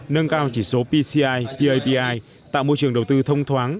nâng cao chỉ số pci tapi tạo môi trường đầu tư thông thoáng